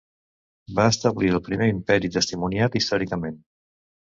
Va establir el primer imperi testimoniat històricament.